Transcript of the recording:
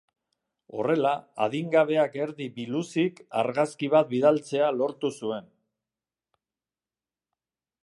Horrela, adingabeak erdi biluzik argazki bat bidaltzea lortu zuen.